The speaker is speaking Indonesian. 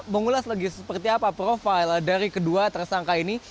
mengulas lagi seperti apa profil dari kedua tersangka ini